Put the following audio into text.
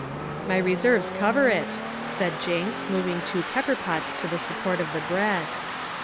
"My reserves cover it," said Jinks, moving two pepper pots to the support of the bread.